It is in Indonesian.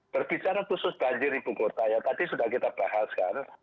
berbicara khusus banjir ibu kota ya tadi sudah kita bahas kan